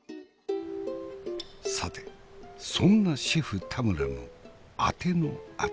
さてそんなシェフ田村のあてのあて。